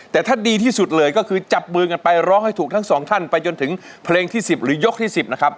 แต่ถ้าดีที่สุดเลยก็คือจับมือกันไปร้องให้ถูกทั้งสองท่านไปจนถึงเพลงที่๑๐หรือยกที่๑๐นะครับ